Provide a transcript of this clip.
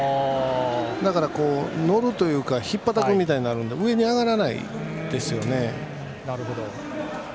だから乗るというか引っぱたくみたいになるので上に上がらないですよね。